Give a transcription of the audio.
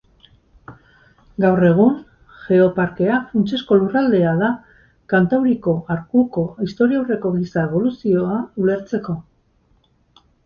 Gaur egun, Geoparkea funtsezko lurraldea da Kantauriko arkuko historiaurreko giza eboluzioa ulertzeko.